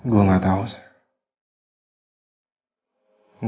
gue gak tau sa